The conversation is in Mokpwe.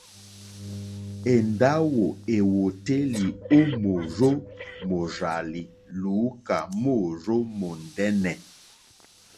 Èndáwò èwòtélì ó mòrzó mòrzàlì lùúkà móòrzó mòndɛ́nɛ̀.